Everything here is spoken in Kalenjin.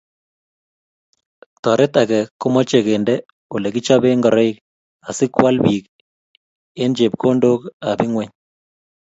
Toret ake komache kende olekichopee ngoroik asikwal bik eng chepkondok ab ing'weny